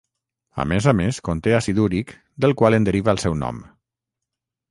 A més a més, conté àcid úric del qual en deriva el seu nom.